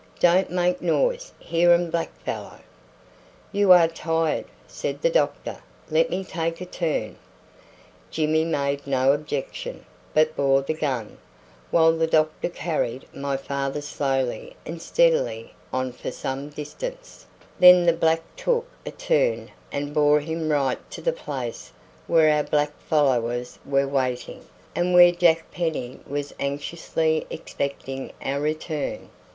"Don't make noise hear um black fellow." "You are tired," said the doctor; "let me take a turn." Jimmy made no objection, but bore the gun, while the doctor carried my father slowly and steadily on for some distance; then the black took a turn and bore him right to the place where our black followers were waiting, and where Jack Penny was anxiously expecting our return.